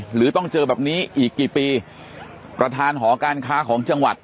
หรือต้องเจอแบบนี้อีกกี่ปีประธานหอการค้าของจังหวัด